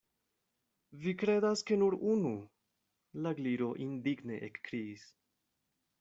"Vi kredas ke nur unu?" la Gliro indigne ekkriis.